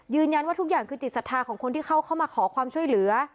ยืนยันว่าทุกอย่างคือจิตศัฒน์ของคนที่เข้ามาขอความช่วยเหลือ